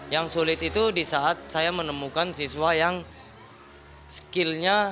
yang sulit itu di saat saya menemukan siswa yang skillnya